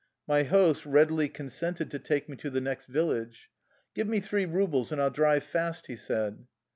My host readily consented to take me to the next village. " Give three rubles, and I'll drive fast," he said.